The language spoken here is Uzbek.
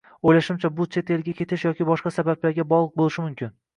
Oʻylashimcha, bu chet elga ketish yoki boshqa sabablarga bogʻliq boʻlishi mumkin.